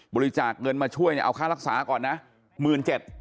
บริจาคเงินมาช่วยเนี่ยเอาค่ารักษาก่อนนะ๑๗๐๐บาท